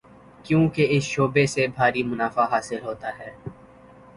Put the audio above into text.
کیونکہ اس شعبے سے بھاری منافع حاصل ہوتا ہے۔